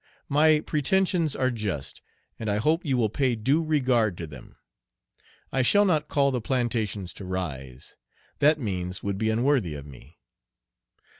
My pretensions are just, and I hope you will pay due regard to them. I shall not call the plantations to rise; that means would be unworthy of me.